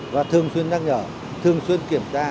và thường xuyên nhắc nhở thường xuyên kiểm tra